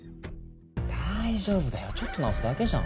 大丈夫だよちょっと直すだけじゃん。